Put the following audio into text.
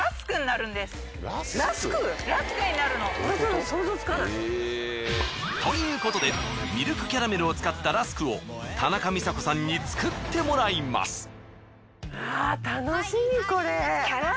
これを。ということでミルクキャラメルを使ったラスクを田中美佐子さんに作ってもらいます。